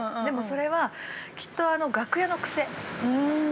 でもそれは、きっと、楽屋の癖。